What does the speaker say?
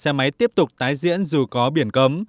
xe máy tiếp tục tái diễn dù có biển cấm